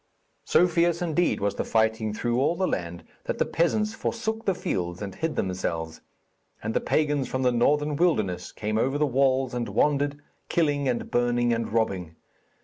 So fierce, indeed, was the fighting through all that land, that the peasants forsook the fields and hid themselves; and the pagans from the northern wilderness came over the walls and wandered, killing and burning and robbing.